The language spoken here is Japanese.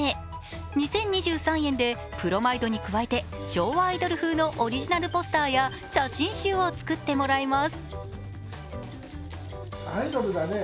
２０２３円でプロマイドに加えて昭和アイドル風のオリジナルポスターや写真集を作ってもらえます。